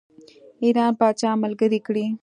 ایران پاچا ملګری کړي.